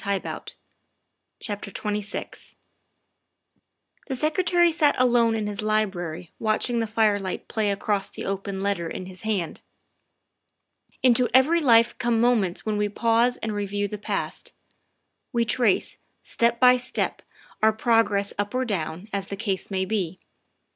THE SECRETARY OF STATE 253 XXVI THE Secretary sat alone in his library watching the firelight play across the open letter in his hand. Into every life come moments when we pause and re view the past. We trace, step by step, our progress up or down, as the case may be.